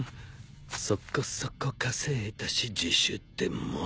そこそこ稼いだし自首でも。